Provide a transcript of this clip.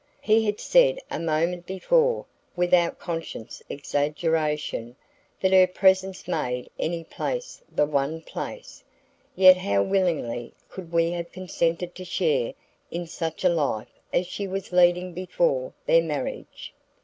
He had said a moment before, without conscious exaggeration, that her presence made any place the one place; yet how willingly would he have consented to share in such a life as she was leading before their marriage?